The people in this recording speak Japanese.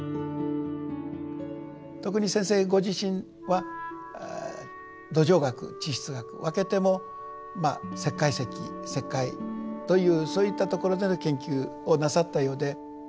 特に先生ご自身は土壌学地質学わけてもまあ石灰石石灰というそういったところでの研究をなさったようで。